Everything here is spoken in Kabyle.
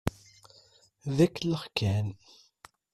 D akellex kan.